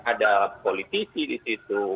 ada politisi di situ